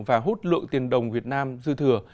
và hút lượng tiền đồng việt nam dư thừa